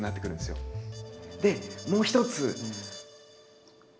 でもう一つ。